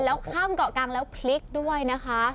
แล้วข้ามเกาะกลางแล้วพลิกด้วยนะคะ